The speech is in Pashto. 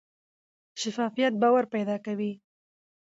شفافیت باور پیدا کوي